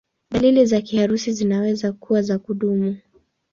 Dalili za kiharusi zinaweza kuwa za kudumu.